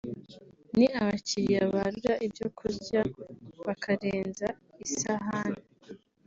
ni abakiriya barura ibyo kurya bakarenza isahane